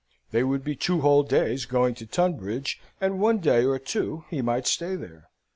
They would be two whole days going to Tunbridge, and one day or two he might stay there.